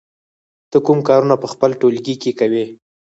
ته کوم کارونه په خپل ټولګي کې کوې؟